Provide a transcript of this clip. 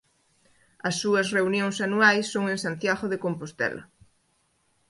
As súas reunións anuais son en Santiago de Compostela.